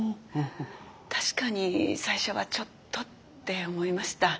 確かに最初はちょっとって思いました。